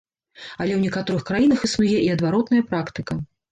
Але ў некаторых краінах існуе і адваротная практыка.